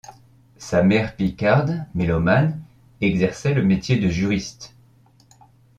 Sa mère picarde, mélomane, exerçait le métier de juriste.